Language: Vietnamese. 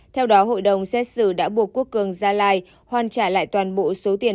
theo đó hội đồng xét xử đã buộc quốc cường gia lai hoàn trả lại toàn bộ số tiền